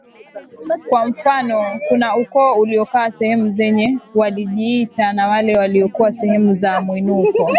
Kwa mfano kuna ukoo uliokaa sehemu zenye walijiita na wale waliokaa sehemu za mwinuko